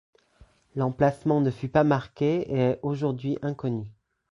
L'emplacement ne fut pas marqué et est aujourd'hui inconnu.